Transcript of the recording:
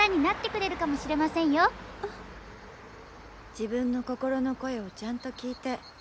自分の心の声をちゃんと聞いて。